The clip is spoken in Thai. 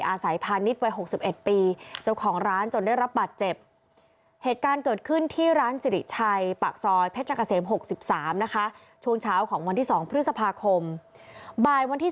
อาศัยพาณิชย์วัย๖๑ปีเจ้าของร้านจนได้รับบัตรเจ็บ